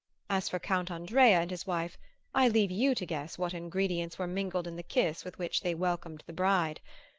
As for Count Andrea and his wife, I leave you to guess what ingredients were mingled in the kiss with which they welcomed the bride.